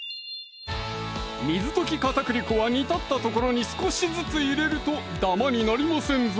水溶き片栗粉は煮立ったところに少しずつ入れるとダマになりませんぞ